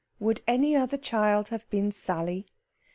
WOULD ANY OTHER CHILD HAVE BEEN SALLY?